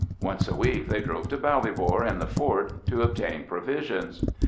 Once a week they drove into Ballybor in the Ford to obtain provisions.